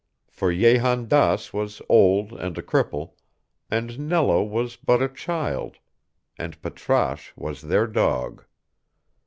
For Jehan Daas was old and a cripple, and Nello was but a child; and Patrasche was their dog.